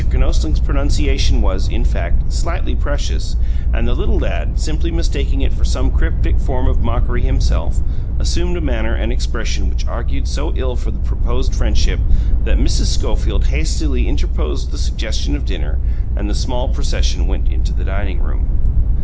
Kinosling's pronunciation was, in fact, slightly precious; and, the little lad, simply mistaking it for some cryptic form of mockery of himself, assumed a manner and expression which argued so ill for the proposed friendship that Mrs. Schofield hastily interposed the suggestion of dinner, and the small procession went in to the dining room.